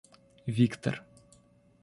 Виктор